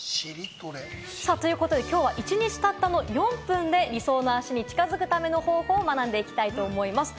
ということで、きょうは一日たったの４分で理想の脚に近づくための方法を学んでいきたいと思います。